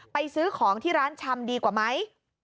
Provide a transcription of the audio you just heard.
ซื้อของที่ร้านชำดีกว่าไหม